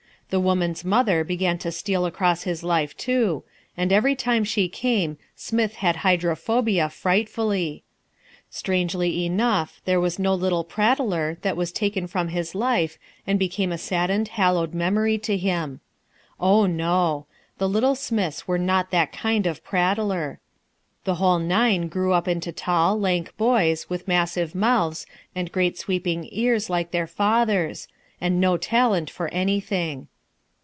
The woman's mother began to steal across his life too, and every time she came Smith had hydrophobia frightfully. Strangely enough there was no little prattler that was taken from his life and became a saddened, hallowed memory to him. Oh, no! The little Smiths were not that kind of prattler. The whole nine grew up into tall, lank boys with massive mouths and great sweeping ears like their father's, and no talent for anything.